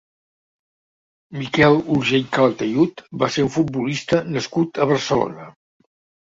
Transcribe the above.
Miquel Urgell Calatayud va ser un futbolista nascut a Barcelona.